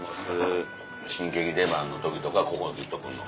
新喜劇出番の時とかここずっと来んの？